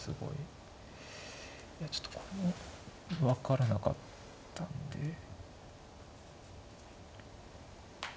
いやちょっとこれも分からなかったんで。